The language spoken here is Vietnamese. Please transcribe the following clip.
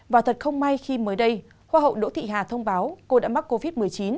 và thật không may khi mới đây hoa hậu đỗ thị hà thông báo cô đã mắc covid một mươi chín